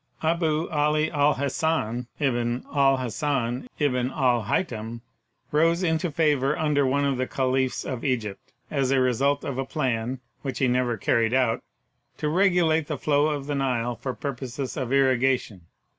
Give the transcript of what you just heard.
Abu 'Ali al Hasan ibn al Hasan ibn Al Haitam rose into favor under one of the Caliphs of Egypt as a result of a plan (which he never carried out) to regulate the flow of the Nile for purposes of irrigation.